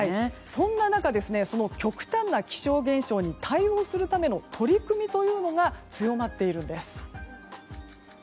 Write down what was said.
そんな中極端な気象現象に対応するための取り組みが強まっているんです。